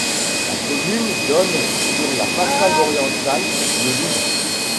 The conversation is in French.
La commune donne sur la façade orientale de l'île.